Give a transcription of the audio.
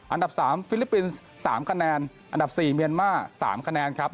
อันดับ๓ฟิลิปปินส์๓คะแนนอันดับ๔เมียนมาร์๓คะแนนครับ